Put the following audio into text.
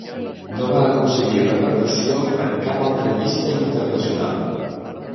No va aconseguir repercussió en cap altra llista internacional.